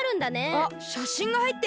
あっしゃしんがはいってる。